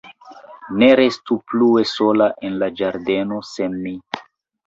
Ne restu plue sola en la ĝardeno, sen mi!